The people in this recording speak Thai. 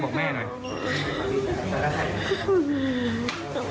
แบบที่